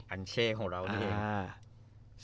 อันเช่ของเรานี่เอง